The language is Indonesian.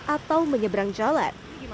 atau menyeberang jalan